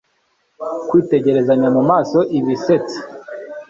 kwitegerezanya mumaso bisetsa